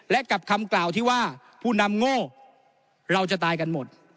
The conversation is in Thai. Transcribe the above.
และกับคำกล่าวที่ว่าผู้นำโง่เราจะตายกันหมด